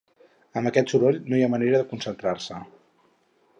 Amb aquest soroll, no hi ha manera de concentrar-se!